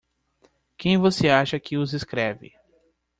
Quem você acha que os escreve?